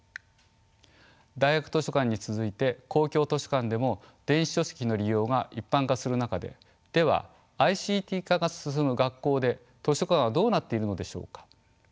大学図書館に続いて公共図書館でも電子書籍の利用が一般化する中でではＩＣＴ化が進む学校で図書館はどうなっているのでしょうか？